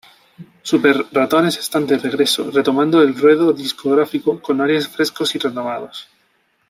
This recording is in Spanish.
Super Ratones están de regreso, retomando el ruedo discográfico con aires frescos y renovados.